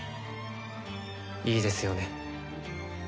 いいですよね？